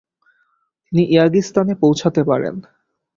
তিনি ইয়াগিস্তানে পৌঁছাতে পারেন।